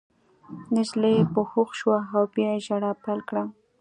نجلۍ په هوښ شوه او بیا یې ژړا پیل کړه